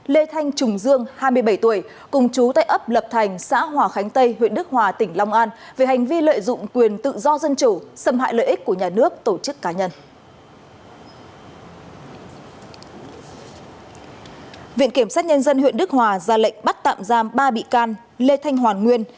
lê thanh trùng dương hai mươi bảy tuổi cùng chú tại ấp lập thành xã hòa khánh tây huyện đức hòa tỉnh long an